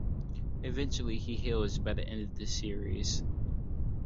Eventually he heals by the end of the series.